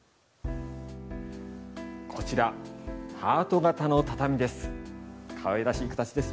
こちらハート形の畳です。